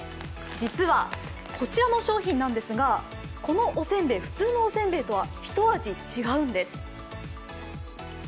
実はこちらの商品ですが、このおせんべい、普通のおせんべいとは、ひと味違うんです。